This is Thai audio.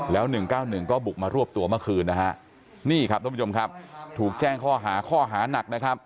แล้ว๑๙๑ก็บุกมารวบตัวเมื่อคืนนี่ครับท่านผู้ชมครับถูกแจ้งข้อหาหนัก